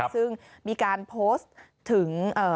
ซึ่งมีการโพสต์ถึง